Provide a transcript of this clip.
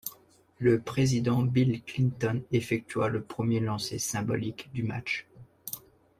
Le président Bill Clinton effectua le premier lancer symbolique du match.